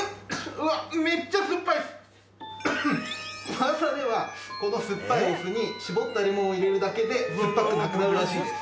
ウワサではこの酸っぱいお酢に搾ったレモンを入れるだけで酸っぱくなくなるらしいです。